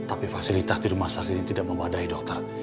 tapi fasilitas di rumah sakit ini tidak memadai dokter